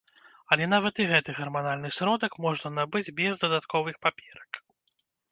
Але нават і гэты гарманальны сродак можна набыць без дадатковых паперак.